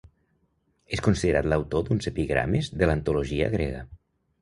És considerat l'autor d'uns epigrames de l'antologia grega.